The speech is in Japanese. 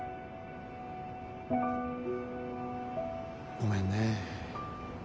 ごめんね。